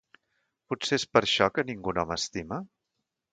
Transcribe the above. Potser és per això, que ningú no m'estima?